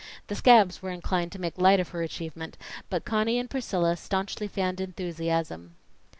The scabs were inclined to make light of her achievement, but Conny and Priscilla staunchly fanned enthusiasm.